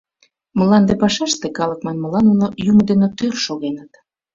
Мланде пашаште, калык манмыла, нуно Юмо дене тӧр шогеныт.